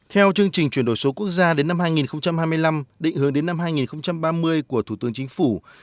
theo chương trình chuyển đổi số quốc gia đến năm hai nghìn hai mươi năm định hướng đến năm hai nghìn ba mươi của thủ tướng chính phủ